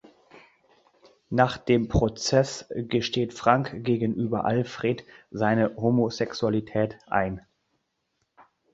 Nach dem Prozess gesteht Frank gegenüber Alfred seine Homosexualität ein.